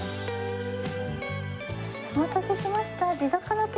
お待たせしました。